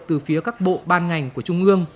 từ phía các bộ ban ngành của trung ương